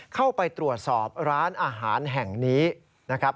เข้าไปตรวจสอบร้านอาหารแห่งนี้นะครับ